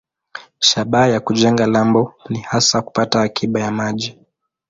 Shabaha ya kujenga lambo ni hasa kupata akiba ya maji.